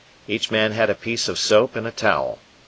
Each man had a piece of soap and a towel.